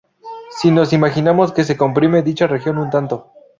Si nos imaginamos que se comprime dicha región un tanto.